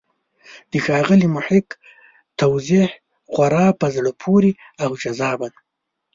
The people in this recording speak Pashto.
د ښاغلي محق توضیح خورا په زړه پورې او جذابه ده.